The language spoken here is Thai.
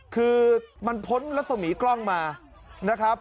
คือมันพ้นรัศมีกล้องมานะครับ